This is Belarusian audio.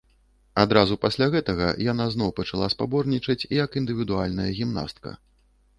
Адразу пасля гэтага яна зноў пачала спаборнічаць як індывідуальная гімнастка.